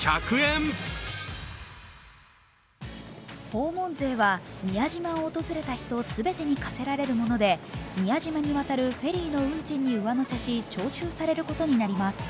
訪問税は宮島を訪れた人全てに課せられるもので宮島に渡るフェリーの運賃に上乗せし、徴収されることになります。